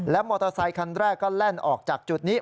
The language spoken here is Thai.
มอเตอร์ไซคันแรกก็แล่นออกจากจุดนี้